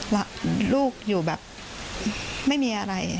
ลูกอยู่แบบไม่มีอะไร